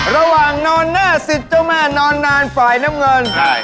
ระหว่างนอนหน้าสิทธิ์เจ้าแม่นอนนานฝ่ายน้ำเงินใช่